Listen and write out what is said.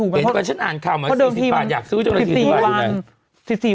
เห็นไหมว่าฉันอ่านคำ๔๐บาทอยากซื้อจนกว่า๔๐บาทอยู่ไหน